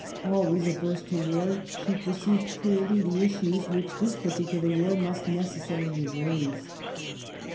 Always averse to war, she perceived clearly the issues which this particular war must necessarily raise.